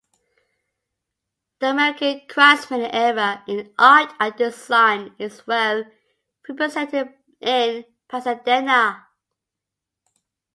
The American Craftsman era in art and design is well represented in Pasadena.